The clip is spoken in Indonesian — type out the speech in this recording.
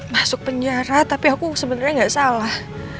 masuk penjara tapi aku sebenernya gak salah